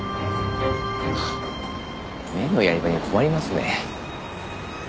目のやり場に困りますね。